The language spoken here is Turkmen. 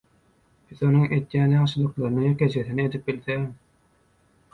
«Biz Onuň edýän ýagşylyklarynyň ýekejesini edip bilsegem